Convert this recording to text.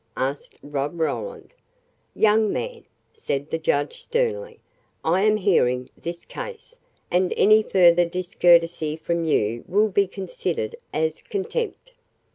asked Rob Roland. "Young man," said the judge sternly, "I am hearing this case, and any further discourtesy from you will be considered as contempt."